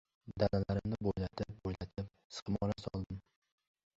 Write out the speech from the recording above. Dalalarimni bo‘ylatib-bo‘ylatib sixmola soldim.